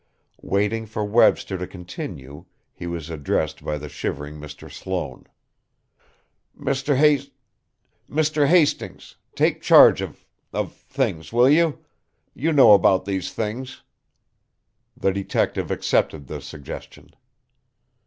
Waiting for Webster to continue, he was addressed by the shivering Mr. Sloane: "Mr. Hast Mr. Hastings, take charge of of things. Will you? You know about these things." The detective accepted the suggestion.